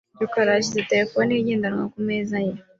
rukara yashyize terefone ye igendanwa ku meza ye .